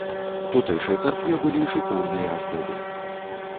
У тутэйшай царкве былі шыкоўныя аздобы.